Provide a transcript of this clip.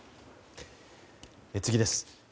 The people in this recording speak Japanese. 次です。